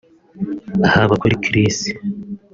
haba kuri Chris